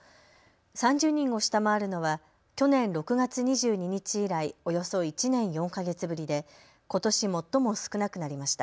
３０人を下回るのは去年６月２２日以来、およそ１年４か月ぶりでことし最も少なくなりました。